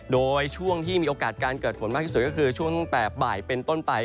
โดยช่วงที่มีโอกาสการเกิดฝนมากที่สุดก็คือช่วงแต่บ่ายเป็นต้นไป